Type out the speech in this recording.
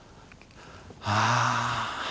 ああ。